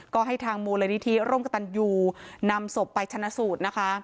ก็ให้ทางมูลนิธิร่มกระตันยูนำศพไปชนะสูตรนะคะ